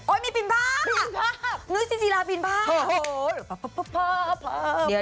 โอ๊ยมีปีนผ้านุ้ยสุจีราปีนผ้าโอ้โห